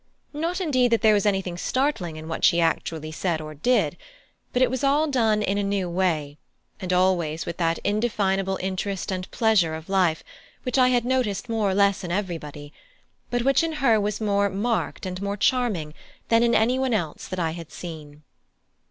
Not, indeed, that there was anything startling in what she actually said or did; but it was all done in a new way, and always with that indefinable interest and pleasure of life, which I had noticed more or less in everybody, but which in her was more marked and more charming than in anyone else that I had seen.